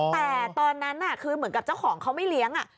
แต่ตอนนั้นคือเหมือนกับเจ้าของเขาไม่เลี้ยง